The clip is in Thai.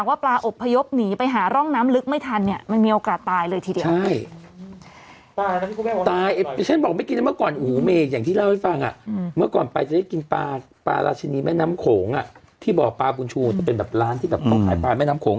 แม่น้ำโข๋งอ่ะที่บอกปลาบุญชูจะเป็นแบบร้านที่แบบต้องขายปลาแม่น้ำโข๋ง